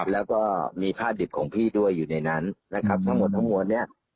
แล้วก็มีผ้าดิบของพี่ด้วยอยู่ในนั้นนะครับทั้งหมดทั้งมวลเนี่ย